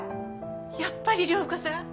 やっぱり涼子さん！